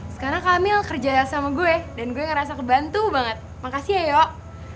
sekarang kamil kerja sama gue dan gue ngerasa kebantu banget makasih ya yuk